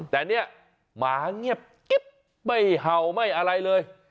แต่เนี่ยหมาเงียบกิ๊บไม่เห่าไม่อะไรเลย